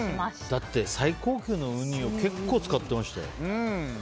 だって最高級のウニを結構使ってましたよ。